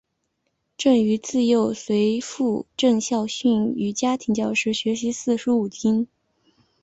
郑禹自幼随父郑孝胥与家庭教师学习四书五经。